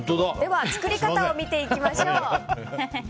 では、作り方を見ていきましょう。